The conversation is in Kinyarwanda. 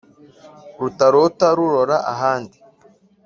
rutarota rurora ahandi